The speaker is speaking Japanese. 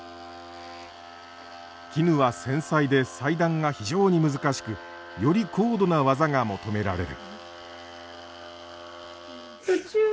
絹は繊細で裁断が非常に難しくより高度な技が求められる。